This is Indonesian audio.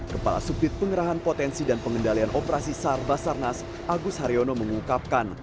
ketensi dan pengendalian operasi sar basarnas agus haryono mengungkapkan